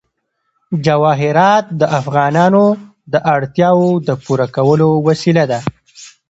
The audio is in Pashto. جواهرات د افغانانو د اړتیاوو د پوره کولو وسیله ده.